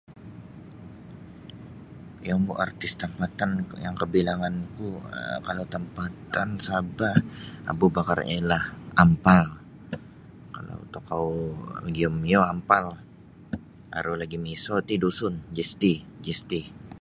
Yang artis tampatan yang kabilanganku um kalau tampatan Sabah Abu Bakar Elah Ampal kalau tokou magiyum iyo Ampal aru lagi' miso ti Dusun Jisti Jisti.